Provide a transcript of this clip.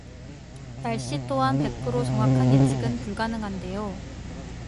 날씨 또한 백프로 정확한 예측은 불가능한데요.